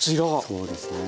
そうですね。